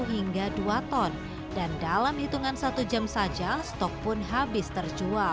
hingga dua ton dan dalam hitungan satu jam saja stok pun habis terjual